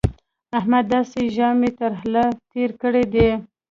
احمد داسې ژامې تر له تېرې کړې دي